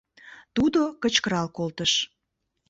— Тудо кычкырал колтыш.